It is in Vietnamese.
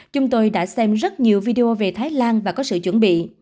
chúng tôi đã xem rất nhiều video về thái lan và có sự chuẩn bị